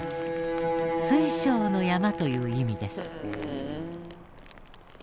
水晶の山という意味です。